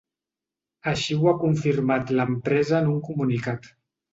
Així ho ha confirmat l’empresa en un comunicat.